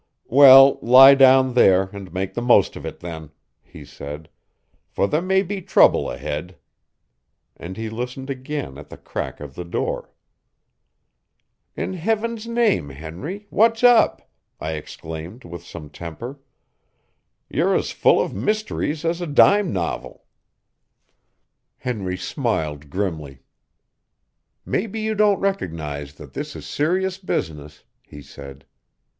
"Well, lie down there, and make the most of it, then," he said, "for there may be trouble ahead." And he listened again at the crack of the door. "In Heaven's name, Henry, what's up?" I exclaimed with some temper. "You're as full of mysteries as a dime novel." Henry smiled grimly. "Maybe you don't recognize that this is serious business," he said.